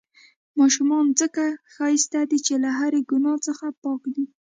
ماشومان ځڪه ښايسته دي، چې له هرې ګناه څخه پاک دي.